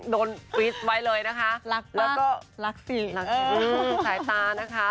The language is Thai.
โดนวิทย์ไว้เลยนะคะรักมากแล้วก็รักฝีรักฝีอืมสายตานะคะ